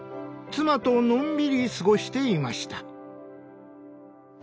妻とのんびり過ごしていました。